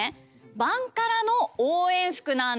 バンカラの応援服なんです。